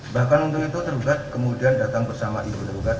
bahkan untuk itu tergugat kemudian datang bersama ibu tergugat